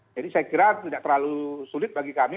jadi saya kira tidak terlalu sulit bagi kami